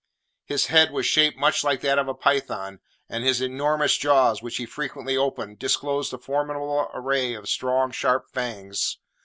His head was shaped much like that of a python, and his enormous jaws, which he frequently opened, disclosed a formidable array of strong sharp fangs.